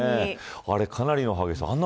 あれ、かなりの激しさあんな